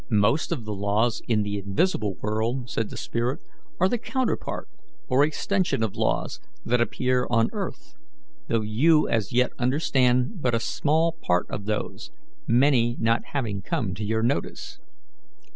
"Most of the laws in the invisible world," said the spirit, "are the counterpart or extension of laws that appear on earth, though you as yet understand but a small part of those, many not having come to your notice.